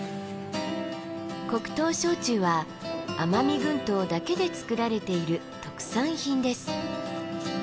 黒糖焼酎は奄美群島だけで造られている特産品です。